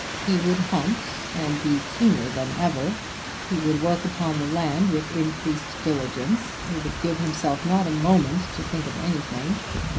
He would hunt, and be keener than ever; he would work upon the land with increased diligence; he would give himself not a moment to think of anything.